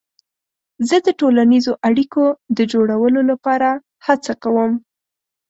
زه د ټولنیزو اړیکو د جوړولو لپاره هڅه کوم.